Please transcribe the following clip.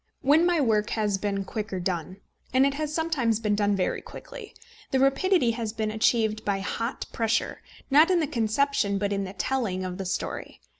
When my work has been quicker done, and it has sometimes been done very quickly the rapidity has been achieved by hot pressure, not in the conception, but in the telling of the story.